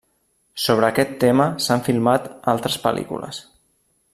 Sobre aquest tema s'han filmat altres pel·lícules.